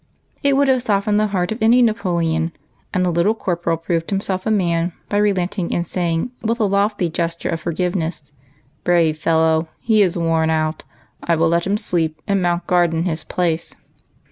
It would have softened the heart of any Napoleon, and the Little Corporal proved himself a man by relenting, and saying, with a lofty gesture of forgive ness, —" Brave fellow, he is worn out ; I will let him sleep, and mount guard in his place."